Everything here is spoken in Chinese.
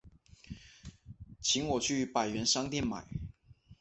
请我去百元商店买